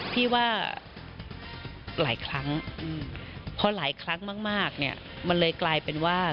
พี่ว่าหลายครั้งพอหลายครั้งมากเนี่ยมันเลยกลายเป็นว่า